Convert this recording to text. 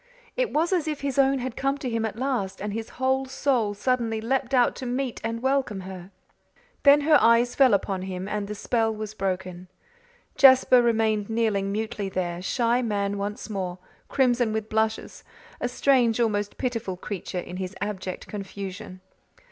It was as if his own had come to him at last and his whole soul suddenly leaped out to meet and welcome her. Then her eyes fell upon him and the spell was broken. Jasper remained kneeling mutely there, shy man once more, crimson with blushes, a strange, almost pitiful creature in his abject confusion.